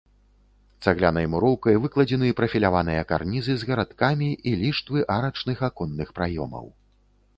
Цаглянай муроўкай выкладзены прафіляваныя карнізы з гарадкамі і ліштвы арачных аконных праёмаў.